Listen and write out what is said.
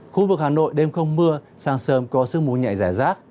khu vực hà nội đêm không mưa sáng sớm có sương mù nhẹ rải rác